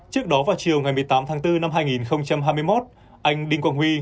trước đó vào chiều ngày một mươi tám tháng bốn năm hai nghìn hai mươi một anh đinh quang huy